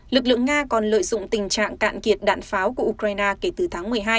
lực lượng nga còn lợi dụng tình trạng cạn kiệt đạn pháo của ukraine kể từ tháng một mươi hai